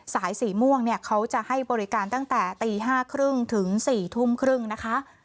สายสีม่วงเนี่ยเขาจะให้บริการตั้งแต่ตี๕๓๐ถึง๔ทุ่มครึ่งนะคะ